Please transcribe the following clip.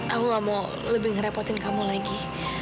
aku gak mau lebih ngerepotin kamu lagi